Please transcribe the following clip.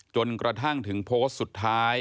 จนกระทั่งถึงโพสต์สุดท้าย